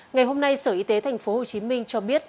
ngày hôm nay sở y tế tp hcm cho biết